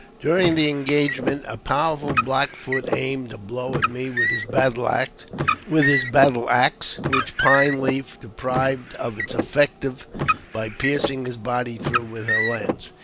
During the engagement, a powerful Black Foot aimed a blow at me with his battle axe, which Pine Leaf deprived of its effect by piercing his body through with her lance.